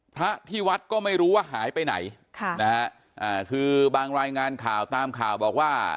พระที่วัดก็ไม่รู้ว่าหายไปไหนค่ะนะฮะอ่าคือบางรายงานข่าวตามข่าวบอกว่า